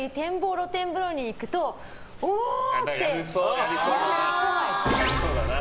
露天風呂に行くとうおー！ってやるっぽい。